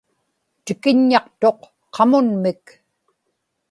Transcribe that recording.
tikiññaqtuq qamunmik